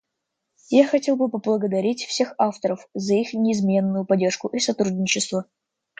Я хотел бы поблагодарить всех авторов за их неизменную поддержку и сотрудничество.